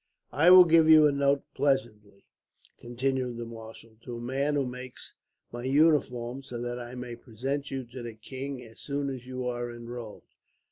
"I will give you a note presently," continued the marshal, "to a man who makes my uniforms, so that I may present you to the king, as soon as you are enrolled.